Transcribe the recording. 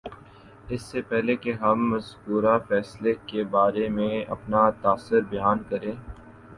اس سے پہلے کہ ہم مذکورہ فیصلے کے بارے میں اپنا تاثر بیان کریں